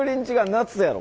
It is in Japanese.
夏やろ。